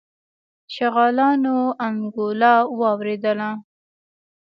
شغالانو انګولا واورېدله.